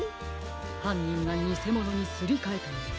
はんにんがにせものにすりかえたのです。